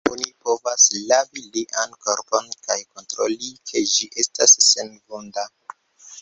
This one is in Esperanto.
Oni povas lavi lian korpon, kaj kontroli, ke ĝi estas senvunda.